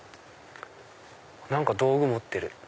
何か道具持ってる。